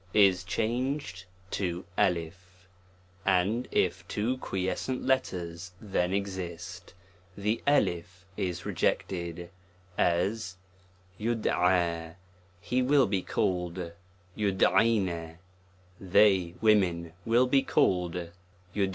is changed to J, and if two quiescent letters then exist, the I is rejected; as IK^J he will be called, ^tJo they (women) will be called, *'*?